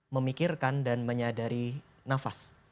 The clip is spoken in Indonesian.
memikirkan dan menyadari nafas